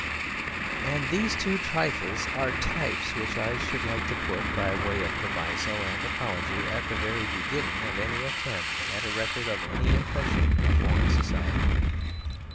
And these two trifles are types which I should like to put, by way of proviso and apology, at the very beginning of any attempt at a record of any impressions of a foreign society.